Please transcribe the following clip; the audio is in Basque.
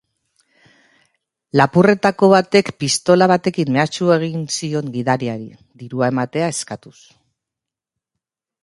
Lapurretako batek pistola batekin mehatxu egin zion gidariari, dirua ematea eskatuz.